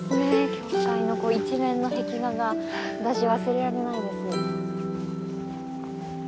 教会の一面の壁画が私忘れられないです。